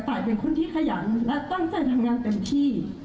ตายเป็นคนที่ขยันและตั้งใจทำงานเต็มที่